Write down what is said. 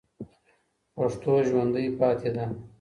پښتو ژوندۍ پاتې ده.